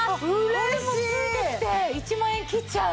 これも付いてきて１万円切っちゃう。